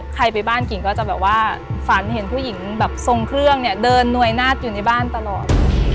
ไปบ้านกิ่งก็จะแบบว่าฝันเห็นผู้หญิงแบบทรงเครื่องเนี่ยเดินหน่วยนาฏอยู่ในบ้านตลอด